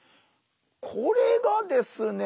これがですね